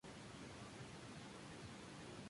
La serie utiliza el sistema de Cronquist de la taxonomía.